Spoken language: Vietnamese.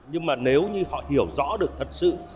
nhưng mà nếu như họ hiểu rõ được thật sự